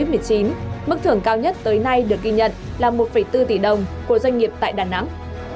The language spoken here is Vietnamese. tết năm hai nghìn một mươi chín mức thưởng cao nhất tới nay được ghi nhận là một bốn tỷ đồng của doanh nghiệp tại đà nẵng